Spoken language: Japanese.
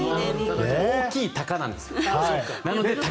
大きいタカなんですよ。